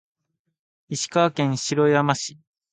石川県白山市